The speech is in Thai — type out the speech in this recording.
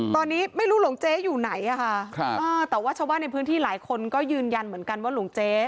ตอนนี้ไม่รู้หลวงเจ๊อยู่ไหนอะค่ะแต่ว่าชาวบ้านในพื้นที่หลายคนก็ยืนยันเหมือนกันว่าหลวงเจ๊